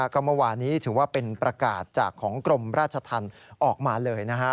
ก็เมื่อวานี้ถือว่าเป็นประกาศจากของกรมราชธรรมออกมาเลยนะฮะ